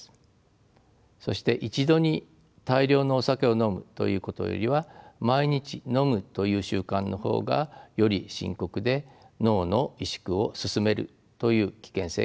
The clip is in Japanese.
そして一度に大量のお酒を飲むということよりは毎日飲むという習慣の方がより深刻で脳の萎縮を進めるという危険性があります。